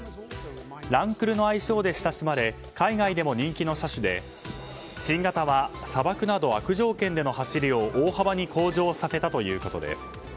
ランクルの愛称で親しまれ海外でも人気の車種で新型は砂漠など悪条件での走りを大幅に向上させたということです。